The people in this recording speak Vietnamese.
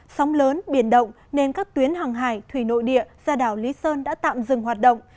sóng lớn biển động nên các tuyến hàng hải thủy nội địa ra đảo lý sơn đã tạm dừng hoạt động